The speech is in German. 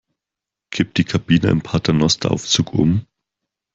Kippt die Kabine im Paternosteraufzug um?